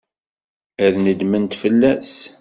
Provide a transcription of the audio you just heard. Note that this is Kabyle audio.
Ad nedment fell-as.